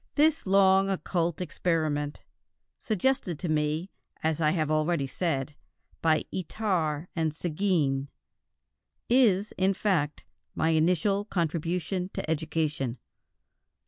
This long, occult experiment suggested to me, as I have already said, by Itard and Séguin is, in fact, my initial contribution to education.